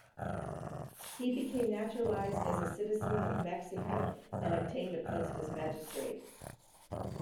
He became naturalized as a citizen of Mexico and obtained a post as magistrate.